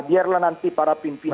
biarlah nanti para pimpinan